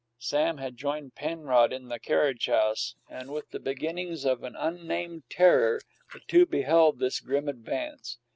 Sam had joined Penrod in the carriage house, and, with the beginnings of an unnamed terror, the two beheld this grim advance.